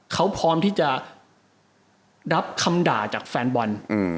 เขาพร้อมที่จะรับคำด่าจากแฟนบอล